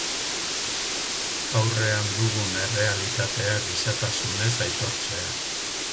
Aurrean dugun errealitatea gizatasunez aitortzea.